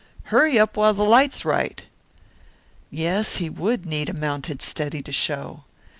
Hurry up, while the light's right." Yes, he would need a mounted study to show.